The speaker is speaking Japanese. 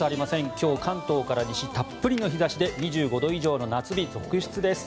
今日、関東から西たっぷりの日差しで２５度以上の夏日続出です。